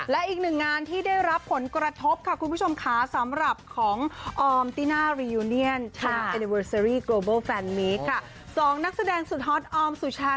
และอีกหนึ่งงานที่ได้รับผลกระทบค่ะคุณผู้ชมค่ะ